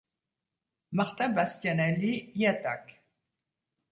Marta Bastianelli y attaque.